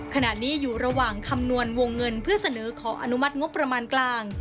ขณะนี้อยู่ระหว่างคำนวณวงเงินเพื่อเสนอขออนุมัติงบประมาณกลาง